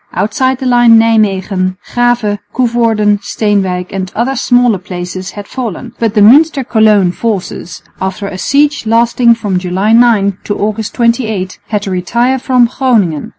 Outside the line Nijmwegen, Grave, Coevorden, Steenwijk and other smaller places had fallen; but the Münster Cologne forces, after a siege lasting from July 9 to August 28, had to retire from Groningen.